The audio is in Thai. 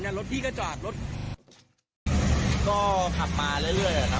ในรถปลอดภัยผมก็จอดสุดก่อนสะพาน